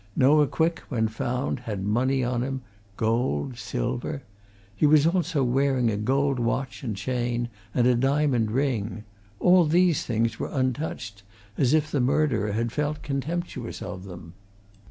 Noah Quick, when found, had money on him, gold, silver; he was also wearing a gold watch and chain and a diamond ring; all these things were untouched, as if the murderer had felt contemptuous of them.